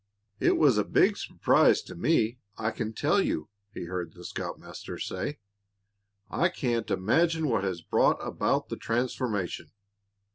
"It was a big surprise to me, I can tell you," he heard the scoutmaster say. "I can't imagine what has brought about the transformation."